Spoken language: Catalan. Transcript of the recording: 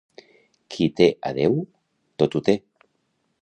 Qui té a Déu, tot ho té.